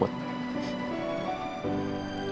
lo harus percaya put